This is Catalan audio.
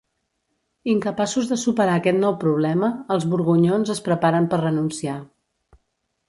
Incapaços de superar aquest nou problema, els borgonyons es preparen per renunciar.